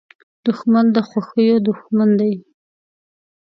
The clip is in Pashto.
دښمن د خوښیو دوښمن دی